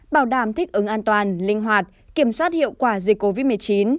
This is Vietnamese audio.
bảo đảm thích ứng an toàn linh hoạt kiểm soát hiệu quả dịch covid một mươi chín